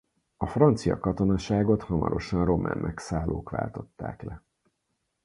A francia katonaságot hamarosan román megszállók váltották le.